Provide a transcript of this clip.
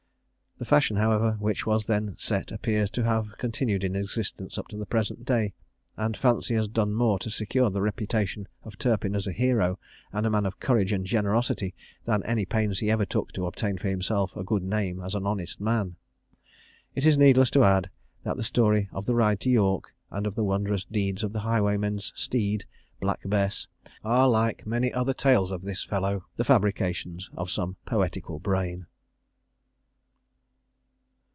The fashion, however, which was then set appears to have continued in existence up to the present day; and fancy has done more to secure the reputation of Turpin as a hero, and a man of courage and generosity, than any pains he ever took to obtain for himself a good name as an honest man. It is needless to add, that the story of the ride to York, and of the wondrous deeds of the highwayman's steed, "Black Bess," are, like many other tales of this fellow, the fabrications of some poetical brain.